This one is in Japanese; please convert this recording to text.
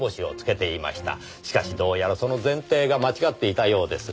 しかしどうやらその前提が間違っていたようです。